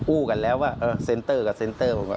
อู้กันแล้วเออเซ็นเตอร์กับเซ็นเตอร์